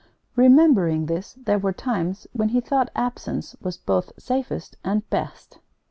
Remembering this, there were times when he thought absence was both safest and best.